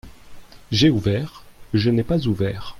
J’ai ouvert, je n’ai pas ouvert.